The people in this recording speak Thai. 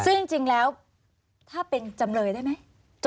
ซึ่งจริงแล้วถ้าเป็นจำเลยได้ไหม